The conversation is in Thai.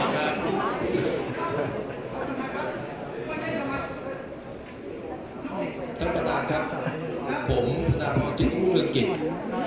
ท่านประตานครับผมธนาธิบุรุษเกิดกิจ